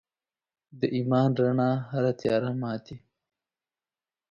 د ایمان رڼا هره تیاره ماتي.